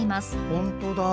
本当だ！